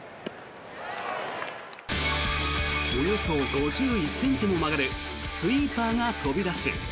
およそ５１ｃｍも曲がるスイーパーが飛び出す。